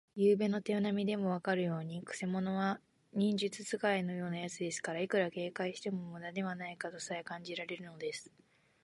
ゆうべの手なみでもわかるように、くせ者は忍術使いのようなやつですから、いくら警戒してもむだではないかとさえ感じられるのです。